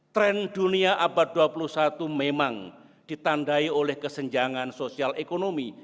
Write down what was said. tren dunia abad dua puluh satu memang ditandai oleh kesenjangan sosial ekonomi